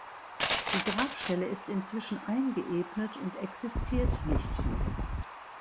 Die Grabstelle ist inzwischen eingeebnet und existiert nicht mehr.